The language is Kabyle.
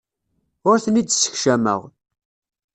Ur ten-id-ssekcameɣ.